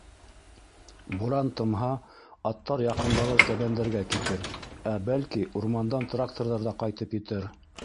Буран тымһа, аттар яҡындағы кәбәндәргә китер, ә, бәлки, урмандан тракторҙар ҙа ҡайтып етер.